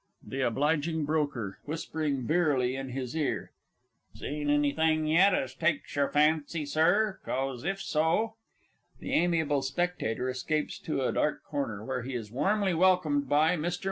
_ THE OBL. BROKER (whispering beerily in his ear). Seen anythink yet as takes your fancy, Sir; 'cos, if so [THE A. S. escapes to a dark corner where he is warmly welcomed by MR.